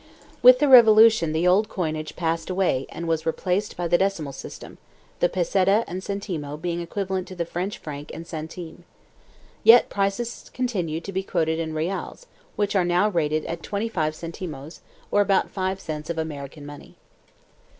With the Revolution the old coinage passed away and was replaced by the decimal system, the peseta and centimo being equivalent to the French franc and centime. Yet still prices continue to be quoted in reales, which are now rated at 25 centimes, or about 5 cents of American money.